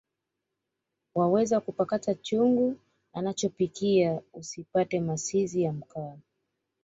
Wawezakupakata chungu anachopikia usipate masizi ya mkaa